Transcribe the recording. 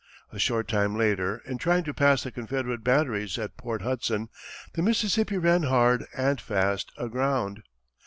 A short time later, in trying to pass the Confederate batteries at Port Hudson, the Mississippi ran hard and fast aground.